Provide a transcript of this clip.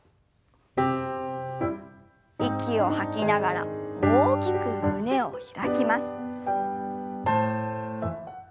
息を吐きながら大きく胸を開きます。